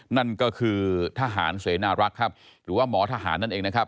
นั่นก็คือทหารเสนารักหรือว่าหมอทหารนั่นเอง